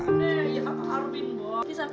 nih ya mbak radmin